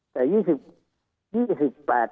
แต่ี่สิบ